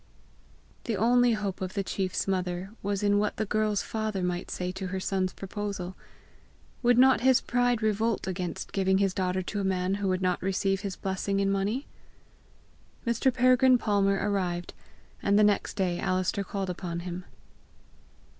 The only hope of the chief's mother was in what the girl's father might say to her son's proposal. Would not his pride revolt against giving his daughter to a man who would not receive his blessing in money? Mr. Peregrine Palmer arrived, and the next day Alister called upon him.